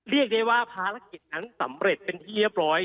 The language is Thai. เรียกได้ว่าภารกิจนั้นสำเร็จเป็นที่เรียบร้อย